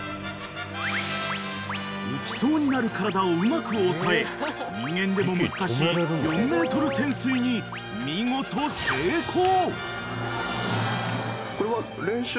［浮きそうになる体をうまくおさえ人間でも難しい４ｍ潜水に見事成功］